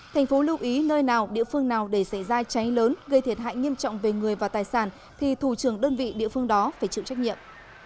thành phố lưu ý nơi nào địa phương nào để xảy ra cháy lớn gây thiệt hại nghiêm trọng về người và tài sản thì thủ trưởng đơn vị địa phương đó phải chịu trách nhiệm